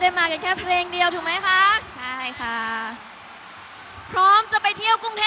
เธอจะต้องไปวันอาทับโฆษะเก่ง